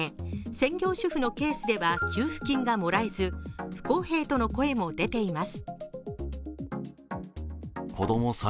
専業主婦のケースでは給付がもらえず、不公平との声も出ています。